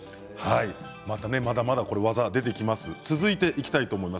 まだまだ技が出てきます。